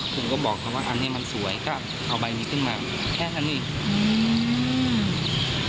ผมก็บอกเขาว่าอันนี้มันสวยก็เอาใบนี้ขึ้นมาแค่นั้นเองอืม